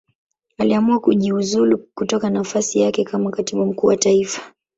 Aliamua kujiuzulu kutoka nafasi yake kama Katibu Mkuu wa Taifa.